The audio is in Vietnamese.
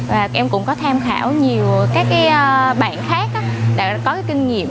và em cũng có tham khảo nhiều các cái bạn khác đã có cái kinh nghiệm